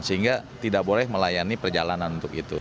sehingga tidak boleh melayani perjalanan untuk itu